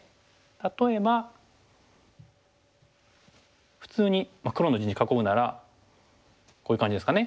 例えば普通に黒の地囲うならこういう感じですかね。